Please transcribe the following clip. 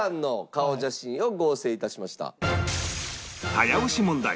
早押し問題